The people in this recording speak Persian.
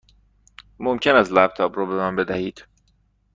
ممکن است لپ تاپ را به من بدهید؟